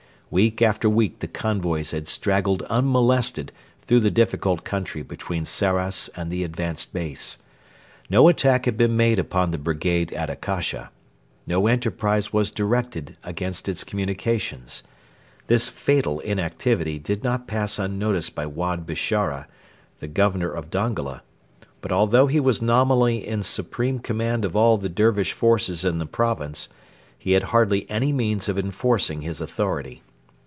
Week after week the convoys had straggled unmolested through the difficult country between Sarras and the advanced base. No attack had been made upon the brigade at Akasha. No enterprise was directed against its communications. This fatal inactivity did not pass unnoticed by Wad Bishara, the Governor of Dongola; but although he was nominally in supreme command of all the Dervish forces in the province he had hardly any means of enforcing his authority.